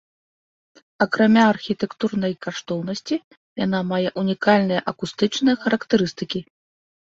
Акрамя архітэктурнай каштоўнасці, яна мае унікальныя акустычныя характарыстыкі.